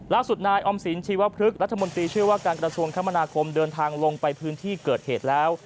ล่าสุดนายออมสินชีวพฤกษรัฐมนตรีเชื่อว่าการกระทรวงคมนาคมเดินทางลงไปพื้นที่เกิดเหตุแล้ว